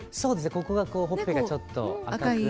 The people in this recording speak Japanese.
ここがほっぺがちょっと赤くなってる